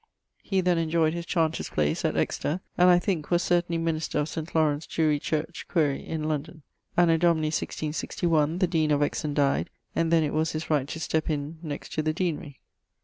_> He then enjoyed his chanter's place at Excester, and, I thinke, was certainly minister of St. Laurence church (quaere) in London. Anno Domini 166<1>, the deane of Exon dyed, and then it was his right to step in next to the deanry.